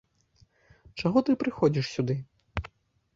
Чаго ты прыходзіш сюды?